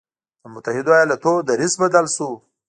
د متحدو ایالتونو دریځ بدل شو.